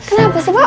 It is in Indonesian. kenapa sih pak